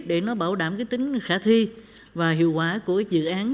để nó bảo đảm cái tính khả thi và hiệu quả của dự án